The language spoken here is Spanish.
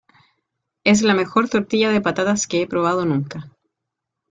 Es la mejor tortilla de patatas que he probado nunca.